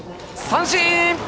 三振！